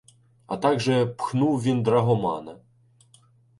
А также пхнув він драгомана